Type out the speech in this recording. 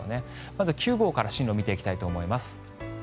まず９号から進路を見ていきたいと思います。